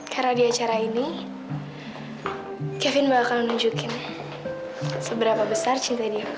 karena di acara ini kevin bakal nunjukin seberapa besar cinta dia